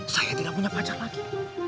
saya tidak punya pacar lagi